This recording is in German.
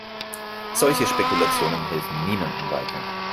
Solche Spekulationen helfen niemandem weiter.